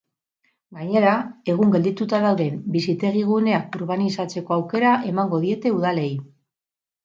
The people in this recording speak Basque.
Gainera, egun geldituta dauden bizitegi-guneak urbanizatzeko aukera emango diete udalei.